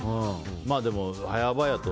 でも、早々と。